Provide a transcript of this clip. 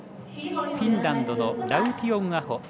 フィンランドのラウティオンアホ。